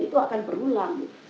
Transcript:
itu akan berulang